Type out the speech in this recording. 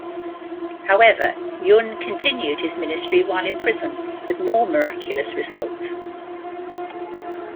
However, Yun continued his ministry while in prison, with more miraculous results.